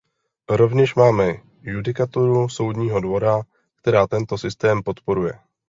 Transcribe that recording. Rovněž máme judikaturu Soudního dvora, která tento systém podporuje.